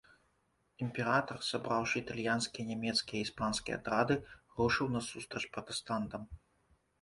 Імператар, сабраўшы італьянскія, нямецкія і іспанскія атрады, рушыў насустрач пратэстантам.